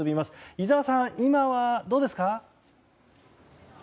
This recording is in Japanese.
井澤さん、今はどうですか？